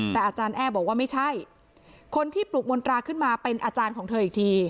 แต่อาจารย์แอ้บอกว่าไม่ใช่คนที่ปลุกมนตราขึ้นมาเป็นอาจารย์ของเธออีกที